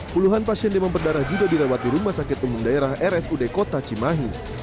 puluhan pasien demam berdarah juga dirawat di rumah sakit umum daerah rsud kota cimahi